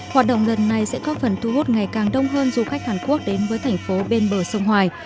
hoạt động lần này sẽ có phần thu hút ngày càng đông hơn du khách hàn quốc đến với thành phố bên bờ sông hoài